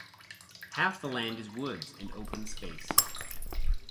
Half the land is woods and open space.